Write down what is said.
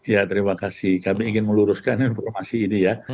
ya terima kasih kami ingin meluruskan informasi ini ya